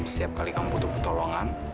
setiap kali kamu butuh pertolongan